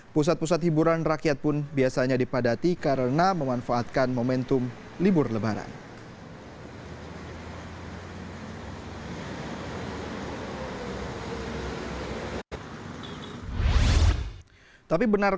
pusat pusat hiburan rakyat pun biasanya dipadati karena memanfaatkan momentum libur lebaran